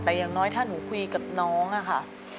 แต่อย่างน้อยถ้าหนูคุยกับน้องอะค่ะ